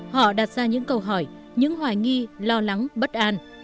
họ đặt ra những câu hỏi những hoài nghi lo lắng bất an